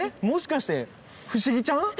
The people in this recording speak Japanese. もしかして不思議ちゃん？